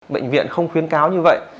bệnh viện không khuyến cáo như vậy